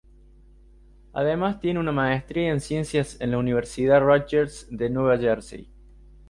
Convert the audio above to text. Además tiene una maestría en ciencias en la Universidad Rutgers de Nueva Jersey.